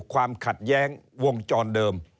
ความขัดแย้งวงจรเดิม